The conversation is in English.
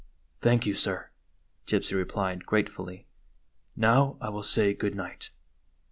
" Thank you, sir," Gypsy replied, gratefully ; "now I will say good night."